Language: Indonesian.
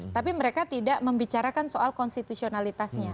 tapi mereka tidak membicarakan soal konstitusionalitasnya